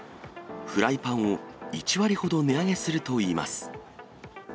フライパンを１割ほど値上げするといいます。